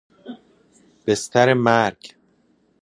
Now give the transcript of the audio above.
بستر مرگ